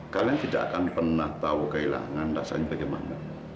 kalian tidak akan pernah tahu kehilangan rasanya bagaimana